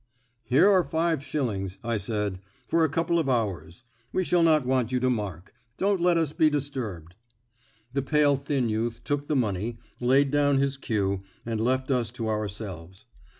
"Here are five shillings," I said, "for a couple of hours. We shall not want you to mark. Don't let us be disturbed." The pale thin youth took the money, laid down his cue, and left us to ourselves.